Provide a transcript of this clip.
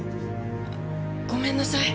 あごめんなさい。